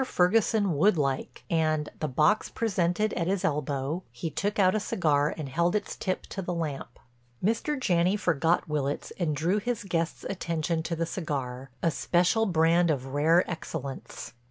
Ferguson would like, and, the box presented at his elbow, he took out a cigar and held its tip to the lamp. Mr. Janney forgot Willitts and drew his guest's attention to the cigar, a special brand of rare excellence.